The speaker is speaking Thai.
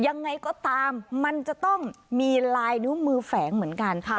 ยังไงก็ตามมันจะต้องมีลายนิ้วมือแฝงเหมือนกัน